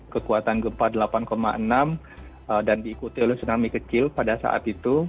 kekuatan gempa delapan enam dan diikuti oleh tsunami kecil pada saat itu